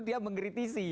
dan dia juga mengkritisi